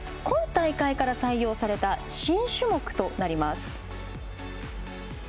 今大会から採用された新種目となります。